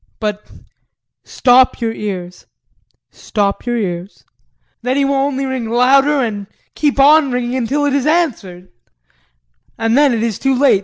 But stop your ears, stop your ears. Then he will only ring louder and keep on ringing until it's answered and then it is too late!